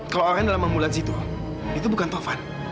kalau orang yang dalam ambulan situ itu bukan taufan